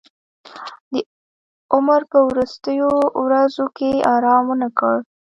د عمر په وروستیو ورځو کې ارام ونه کړ.